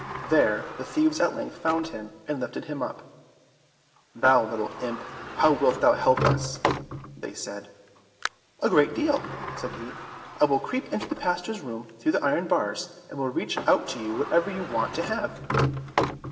There the thieves at length found him, and lifted him up. "Thou little imp, how wilt thou help us?" they said. "A great deal," said he, "I will creep into the pastor's room through the iron bars, and will reach out to you whatever you want to have."